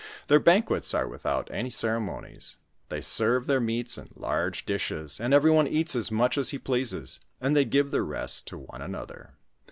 Their banquets are without any ceremonies ; they serve their meats in large dishes, and everyone eats as much as he pleases, and they give the rest to one another.